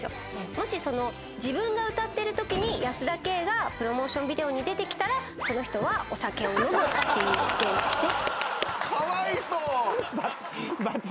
もし自分が歌ってるときに保田圭がプロモーションビデオに出てきたらその人はお酒を飲むっていうゲームですね。